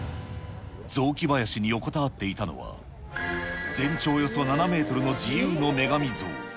雑木林に横たわっていたのは、全長およそ７メートルの自由の女神像。